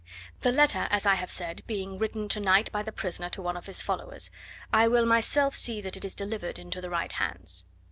The letter, as I have said, being written to night by the prisoner to one of his followers, I will myself see that it is delivered into the right hands.